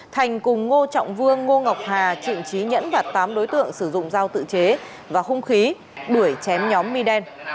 thành cùng ngô trọng vương ngô ngọc hà trịnh trí nhẫn và tám đối tượng sử dụng dao tự chế và hung khí đuổi chém nhóm mi đen